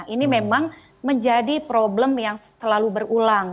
ini memang menjadi problem yang selalu berulang